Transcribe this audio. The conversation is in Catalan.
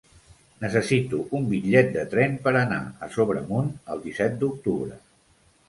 Necessito un bitllet de tren per anar a Sobremunt el disset d'octubre.